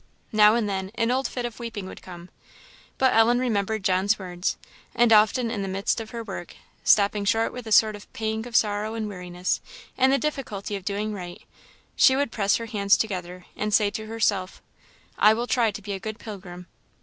Now and then an old fit of weeping would come. But Ellen remembered John's words; and often in the midst of her work, stopping short with a sort of pang of sorrow and weariness, and the difficulty of doing right, she would press her hands together and say to herself, "I will try to be a good pilgrim!"